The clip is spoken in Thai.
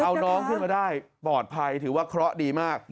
เอาน้องขึ้นมาได้ปลอดภัยถือว่าเคราะห์ดีมาก